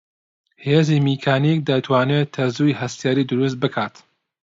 هێزی میکانیک دەتوانێت تەزووی هەستیاری دروست بکات